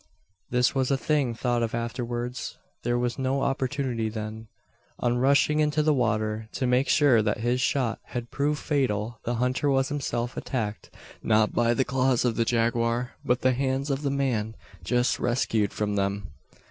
This was a thing thought of afterwards there was no opportunity then. On rushing into the water, to make sure that his shot had proved fatal, the hunter was himself attacked; not by the claws of the jaguar, but the hands of the man just rescued from them.